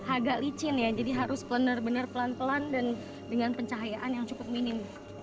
agak licin ya jadi harus benar benar pelan pelan dan dengan pencahayaan yang cukup minim